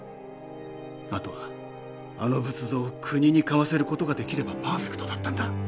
あとはあの仏像を国に買わせる事ができればパーフェクトだったんだ。